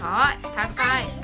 高い。